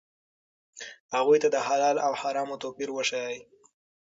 هغوی ته د حلال او حرامو توپیر وښایئ.